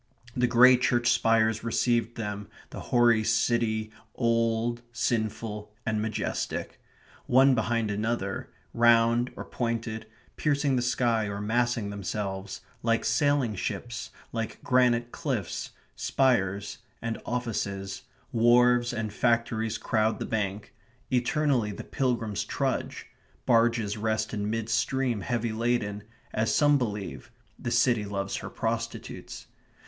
The grey church spires received them; the hoary city, old, sinful, and majestic. One behind another, round or pointed, piercing the sky or massing themselves, like sailing ships, like granite cliffs, spires and offices, wharves and factories crowd the bank; eternally the pilgrims trudge; barges rest in mid stream heavy laden; as some believe, the city loves her prostitutes.